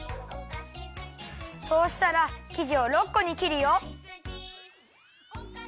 そうしたらきじを６こにきるよ。